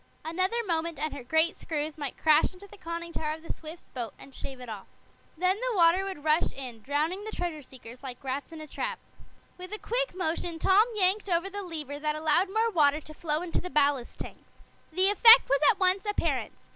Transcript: Another moment and her great screws might crash into the Conning tower of the Swifts' boat and shave it off. Then the water would rush in, drowning the treasure seekers like rats in a trap. With a quick motion Tom yanked over the lever that allowed more water to flow into the ballast tanks. The effect was at once apparent.